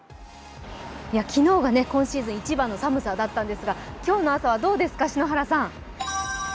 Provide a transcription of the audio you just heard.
昨日が今シーズン一番の寒さだったんですが、今日の朝はどうですか、篠原さん。